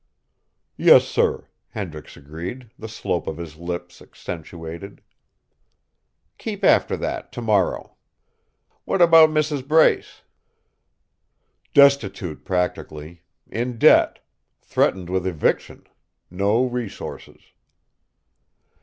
"Yes, sir," Hendricks agreed, the slope of his lips accentuated. "Keep after that, tomorrow. What about Mrs. Brace?" "Destitute, practically; in debt; threatened with eviction; no resources."